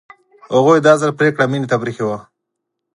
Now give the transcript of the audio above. هغوی دا ځل پرېکړه مينې ته پرېښې وه